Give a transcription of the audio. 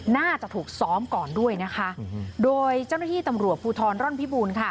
น่าจะถูกซ้อมก่อนด้วยนะคะโดยเจ้าหน้าที่ตำรวจภูทรร่อนพิบูรณ์ค่ะ